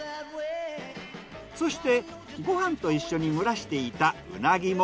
そしてご飯と一緒に蒸らしていたうなぎも。